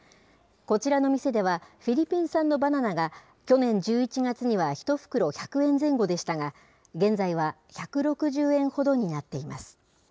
こちらの店では、フィリピン産のバナナが去年１１月には、１袋１００円前後でしたが、現在は１６０円ほどになっています。